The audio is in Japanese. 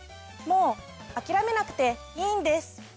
もう諦めなくていいんです。